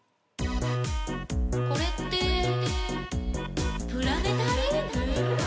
これってプラネタリウム？